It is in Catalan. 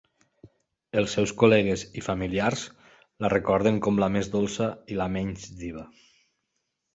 Els seus col·legues i familiars la recorden com la més dolça i la menys diva.